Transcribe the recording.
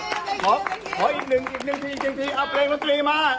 มันเกิดไม่จมนะครับอ้าวอีกหนึ่งอีกหนึ่งทีอีกหนึ่งทีอัพเพลงรักษณีย์มาอ้าว